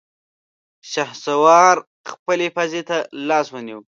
شهسوار خپلې پزې ته لاس ونيو.